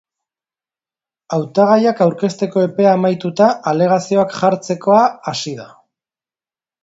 Hautagaiak aurkezteko epea amaituta, alegazioak jartzekoa hasi da.